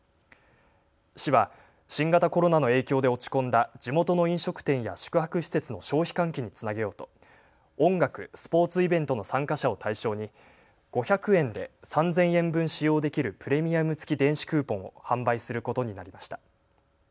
市は新型コロナの影響で落ち込んだ地元の飲食店や宿泊施設の消費喚起につなげようと音楽・スポーツイベントの参加者を対象に５００円で３０００円分使用できるプレミアム付き電子クーポンを販売することになりました。